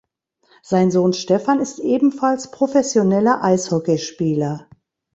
Sein Sohn Stefan ist ebenfalls professioneller Eishockeyspieler.